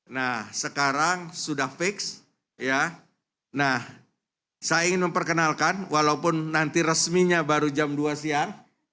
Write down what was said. nah sekarang sudah fix ya nah saya ingin memperkenalkan walaupun nanti resminya baru jam dua siang